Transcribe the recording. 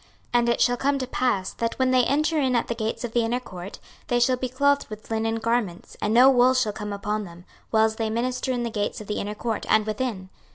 26:044:017 And it shall come to pass, that when they enter in at the gates of the inner court, they shall be clothed with linen garments; and no wool shall come upon them, whiles they minister in the gates of the inner court, and within.